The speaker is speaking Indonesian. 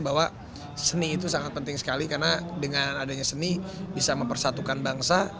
bahwa seni itu sangat penting sekali karena dengan adanya seni bisa mempersatukan bangsa